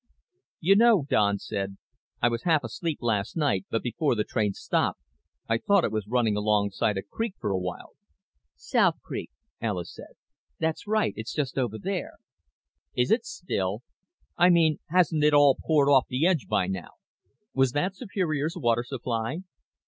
"You know," Don said, "I was half asleep last night but before the train stopped I thought it was running alongside a creek for a while." "South Creek," Alis said. "That's right. It's just over there." "Is it still? I mean hasn't it all poured off the edge by now? Was that Superior's water supply?"